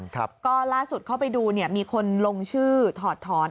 ก็ล่าสุดเข้าไปดูเนี่ยมีคนลงชื่อถอดถอน